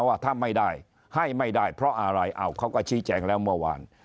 ว่าถ้าไม่ได้ให้ไม่ได้เพราะอะไรอ้าวเขาก็ชี้แจงแล้วเมื่อวาน